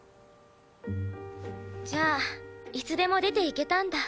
じゃあいつでも出ていけたんだ？